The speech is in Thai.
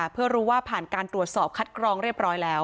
เพื่อรู้ว่าผ่านการตรวจสอบคัดกรองเรียบร้อยแล้ว